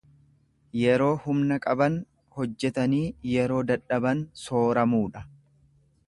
Yeroo humna qaban hojjetanii yeroo dadhaban sooramuudha.